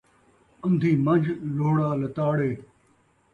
ان٘دھی من٘جھ لوہڑا لتاڑے